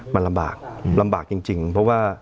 มันลำบากลำบากจริงเพราะว่า